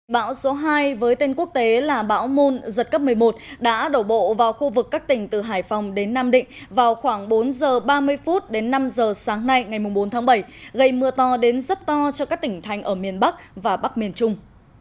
bão số hai với tên quốc tế là bão môn giật cấp một mươi một đã đổ bộ vào khu vực các tỉnh từ hải phòng đến nam định vào khoảng bốn giờ ba mươi phút đến năm h sáng nay ngày bốn tháng bảy gây mưa to đến rất to cho các tỉnh thành ở miền bắc và bắc miền trung